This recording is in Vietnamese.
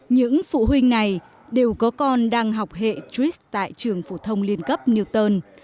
những phụ huynh này đều có con đang học hệ trit tại trường phổ thông liên cấp newton